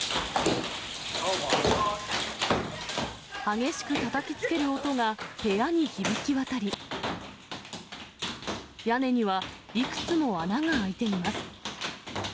激しくたたきつける音が部屋に響き渡り、屋根にはいくつも穴が開いています。